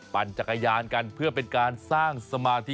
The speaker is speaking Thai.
ปั่นจักรยานกันเพื่อเป็นการสร้างสมาธิ